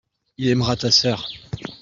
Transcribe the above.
il aimera ta sœur.